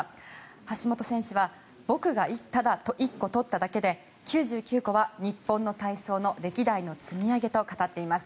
橋本選手は僕がただ１個取っただけで９９個は日本の体操の歴代の積み上げと語っています。